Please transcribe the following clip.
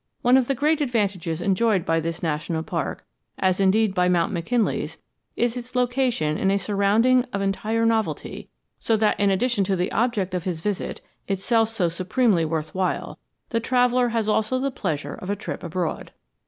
One of the great advantages enjoyed by this national park, as indeed by Mount McKinley's, is its location in a surrounding of entire novelty, so that in addition to the object of his visit, itself so supremely worth while, the traveller has also the pleasure of a trip abroad.